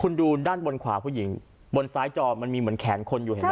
คุณดูด้านบนขวาผู้หญิงบนซ้ายจอมันมีเหมือนแขนคนอยู่เห็นไหม